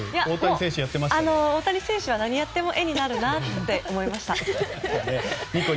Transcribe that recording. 大谷選手は何やっても画になるなと思いました。